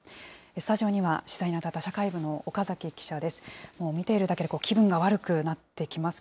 スタジオには取材に当たった社会部の岡崎記者です。